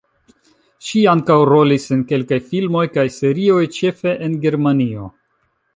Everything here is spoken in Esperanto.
Ŝi ankaŭ rolis en kelkaj filmoj kaj serioj, ĉefe en Germanio.